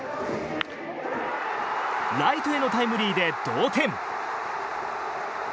ライトへのタイムリーで同点。